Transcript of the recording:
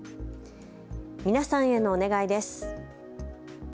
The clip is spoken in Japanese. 皆さんへのお願いです。